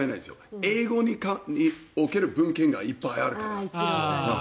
英語に関する文献がいっぱいありますから。